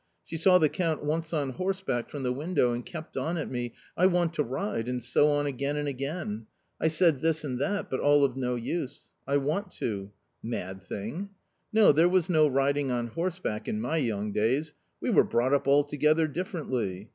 She saw the Count once on horseback from the ivtnaow and kept on at me, * I want to ride ' and so on again and again ! I said this and that ; but all of no use. * I want to !' Mad thing ! No, there was no riding on horseback in my young days ; we were brought up altogether differently